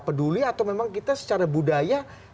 peduli atau memang kita secara budaya